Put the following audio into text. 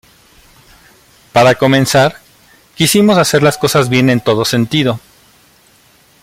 Para comenzar, quisimos hacer las cosas bien en todo sentido.